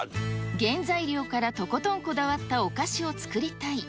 原材料からとことんこだわったお菓子を作りたい。